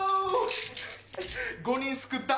５人救った。